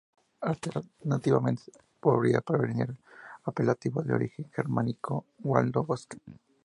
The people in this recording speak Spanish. Alternativamente, podría provenir del apelativo de origen germánico "waldo" 'bosque'.